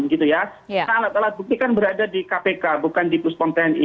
karena alat alat bukti kan berada di kpk bukan di puspom tni